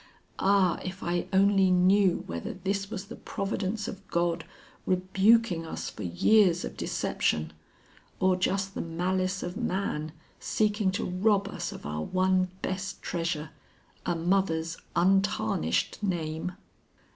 Ah, if I only knew whether this was the providence of God rebuking us for years of deception, or just the malice of man seeking to rob us of our one best treasure, a mother's untarnished name!"